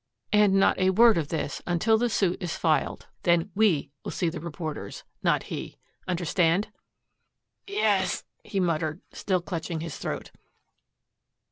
"And not a word of this until the suit is filed. Then WE will see the reporters not he. Understand?" "Yes," he muttered, still clutching his throat.